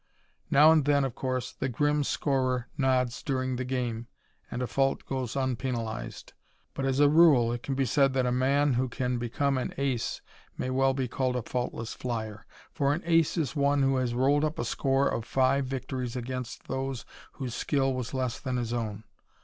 Now and then, of course, the grim scorer nods during the game and a fault goes unpenalized, but as a rule it can be said that a man who can become an ace may well be called a faultless flyer, for an ace is one who has rolled up a score of five victories against those whose skill was less than his own.